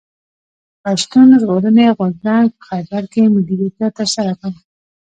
پښتون ژغورني غورځنګ په خېبر کښي ملي جرګه ترسره کړه.